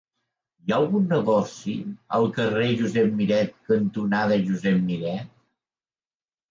Hi ha algun negoci al carrer Josep Miret cantonada Josep Miret?